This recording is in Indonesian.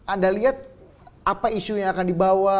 anda lihat apa isu yang akan dibawa